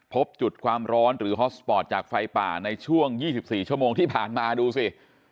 พบจุดความร้อนหรือฮอสสปอร์ตจากไฟป่าในช่วง๒๔ชั่วโมงที่ผ่านมาดูสิ